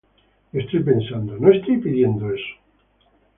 Y estoy pensando, 'No estoy pidiendo eso.